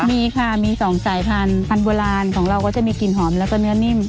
มีค่ะมี๒สายพันธุพันธุ์โบราณของเราก็จะมีกลิ่นหอมแล้วก็เนื้อนิ่ม